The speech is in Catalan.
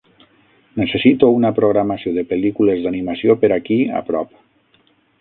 Necessito una programació de pel·lícules d"animació per aquí a prop.